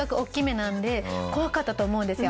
なんで怖かったと思うんですよ。